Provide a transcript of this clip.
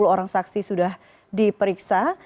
dua puluh orang saksi sudah diperiksa